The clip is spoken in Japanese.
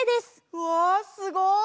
うわすごい！